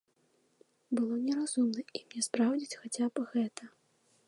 Было неразумна ім не спраўдзіць, хаця б гэта.